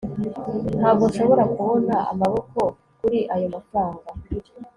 Ntabwo nshobora kubona amaboko kuri ayo mafranga